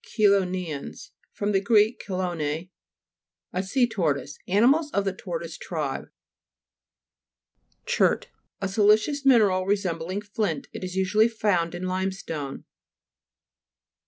CHELO'NTANS fr, gr. chelone, a sea tortoise. Animals of the tortoise tribe. CHERT A siliceous mineral resem bling flint. It is usually found in limestone.